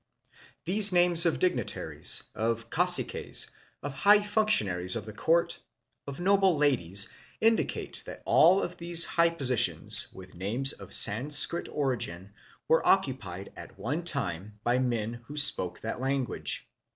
These names of dignitaries, of caciques, of high functionaries of the court, of noble ladies, indicate that all of these high positions with names of Sanskrit origin were occupied at THE FILIPINO PEOPLE BEFORE 1521. 93 one time by men who spoke that language.